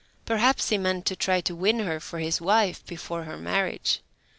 Perhaps he meant to try to win her for his wife, before her marriage.